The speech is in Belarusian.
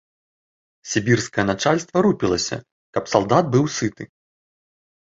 Сібірскае начальства рупілася, каб салдат быў сыты.